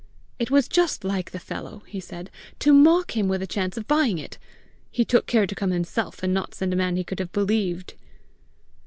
It was just like the fellow, he said, to mock him with the chance of buying it! He took care to come himself, and not send a man he could have believed!